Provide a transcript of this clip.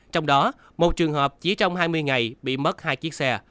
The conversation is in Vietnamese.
trong đó một trường hợp chỉ trong hai mươi ngày bị mất hai chiếc xe